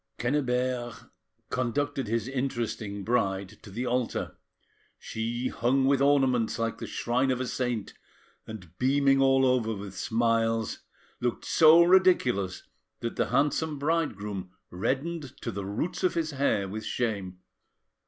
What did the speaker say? Quennebert conducted his interesting bride to the altar, she hung with ornaments like the shrine of a saint, and, beaming all over with smiles, looked so ridiculous that the handsome bridegroom reddened to the roots of his hair with shame.